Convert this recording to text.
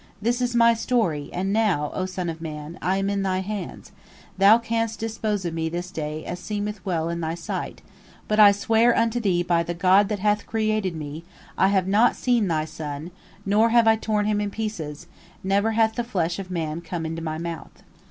This is my story, and now, O son of man, I am in thy hands, thou canst dispose of me this day as seemeth well in thy sight, but I swear unto thee by the God that bath created me, I have not seen thy son, nor have I torn him in pieces, never hath the flesh of man come into my mouth."